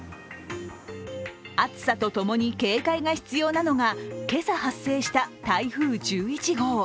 暑さとともに警戒が必要なのが今朝発生した台風１１号。